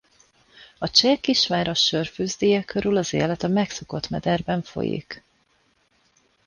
A cseh kisváros sörfőzdéje körül az élet a megszokott mederben folyik.